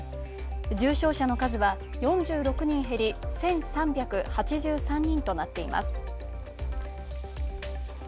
重症者の数は４６人減り、１３８３人となっています。